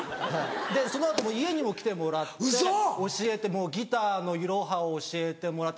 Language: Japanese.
でその後も家にも来てもらってもうギターのいろはを教えてもらって。